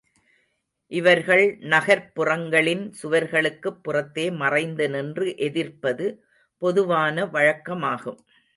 இவர்கள் நகர்ப் புறங்களின் சுவர்களுக்குப் புறத்தே மறைந்து நின்று எதிர்ப்பது பொதுவான வழக்கமாகும்.